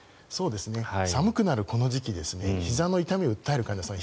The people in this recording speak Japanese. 寒くなるこの時期ひざの痛みを訴える患者さん